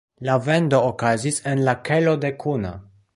La vendo okazis en la kelo de Kuna.